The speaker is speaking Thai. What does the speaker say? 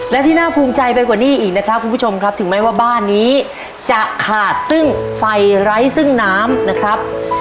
และที่น่าภูมิใจไปกว่านี้อีกนะครับคุณผู้ชมครับถึงแม้ว่าบ้านนี้จะขาดซึ่งไฟไร้ซึ่งน้ำนะครับ